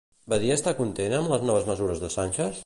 Badia està content amb les noves mesures de Sánchez?